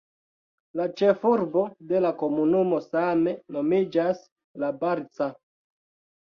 La ĉefurbo de la komunumo same nomiĝas "La Barca".